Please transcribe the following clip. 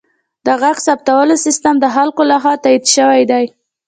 د غږ ثبتولو سیستم د خلکو لخوا تایید شوی دی.